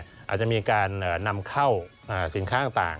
อาจจะมีการนำเข้าสินค้าต่าง